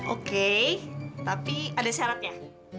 oke tapi ada syaratnya